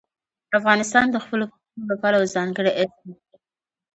افغانستان د خپلو پسونو له پلوه ځانګړتیاوې لري.